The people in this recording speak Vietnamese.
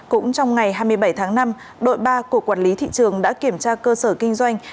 cũng trong ngày hai mươi bảy tháng năm đội ba của quản lý thị trường đã kiểm tra cơ sở kinh doanh